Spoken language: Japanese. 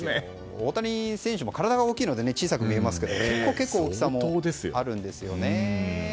大谷選手も体が大きいので小さく見えますけど結構、大きさもあるんですよね。